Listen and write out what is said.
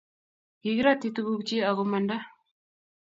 kigiratyi tungukchi ago Manda